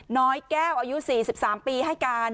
น้อยแก้วอายุ๔๓ปีให้การ